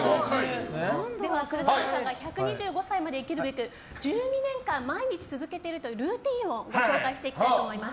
鶴太郎さんが１２５歳まで生きるべく１２年間毎日続けているルーティンをご紹介していきたいと思います。